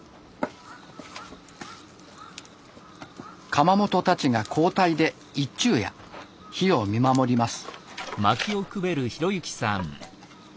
窯元たちが交代で一昼夜火を見守ります。